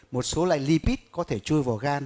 một số lại lipid có thể chui vào gan